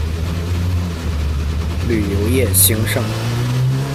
旅游业兴盛。